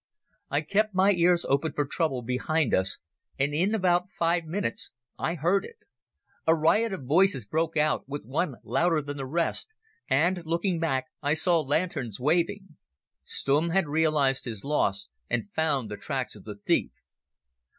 I kept my ears open for trouble behind us, and in about five minutes I heard it. A riot of voices broke out, with one louder than the rest, and, looking back, I saw lanterns waving. Stumm had realized his loss and found the tracks of the thief.